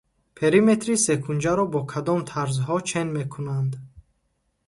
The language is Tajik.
Периметри секунҷаро бо кадом тарзҳо чен мекунанд?